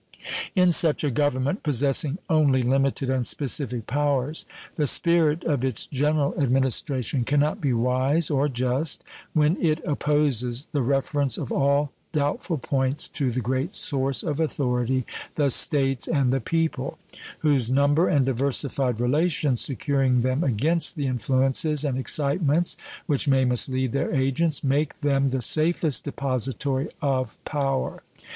In such a Government, possessing only limited and specific powers, the spirit of its general administration can not be wise or just when it opposes the reference of all doubtful points to the great source of authority, the States and the people, whose number and diversified relations securing them against the influences and excitements which may mislead their agents, make them the safest depository of power.